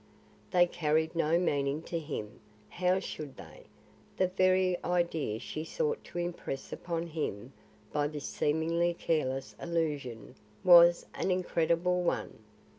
They carried no meaning to him. How should they? The very idea she sought to impress upon him by this seemingly careless allusion was an incredible one.